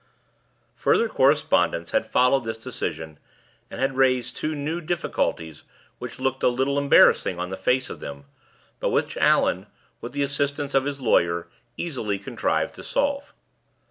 Further correspondence had followed this decision, and had raised two new difficulties which looked a little embarrassing on the face of them, but which Allan, with the assistance of his lawyer, easily contrived to solve.